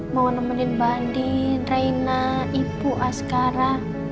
mau nemenin bandi reina ibu askara